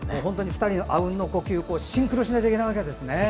２人のあうんの呼吸でシンクロしないといけないわけですね。